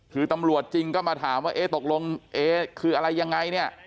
คือตำรวจจริงก็มาถามว่าเอ๊ะตกลงเอคืออะไรยังไงเนี่ย